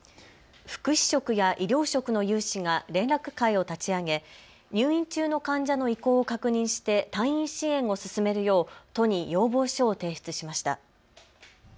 福祉職や医療職の有志が連絡会を立ち上げ入院中の患者の意向を確認して退院支援を進めるよう都に要望書を提出しました。